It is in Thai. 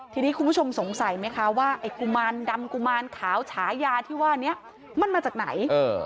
ทีนี้คุณผู้ชมสงสัยไหมคะว่าไอ้กุมารดำกุมารขาวฉายาที่ว่านี้มันมาจากไหน